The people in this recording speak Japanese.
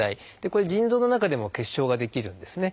これ腎臓の中でも結晶が出来るんですね。